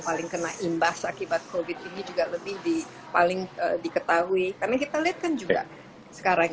paling kena imbas akibat covid ini juga lebih di paling diketahui karena kita lihat kan juga sekarang